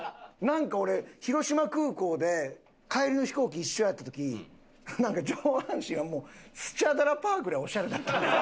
なんか俺広島空港で帰りの飛行機一緒やった時なんか上半身はもうスチャダラパーぐらいオシャレだったんですよ。